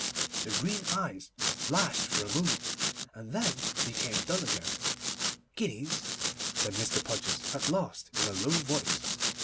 The green eyes flashed for a moment, and then became dull again. 'Guineas?' said Mr. Podgers at last, in a low voice.